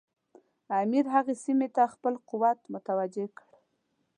امیر هغې سیمې ته خپل قوت متوجه کړ.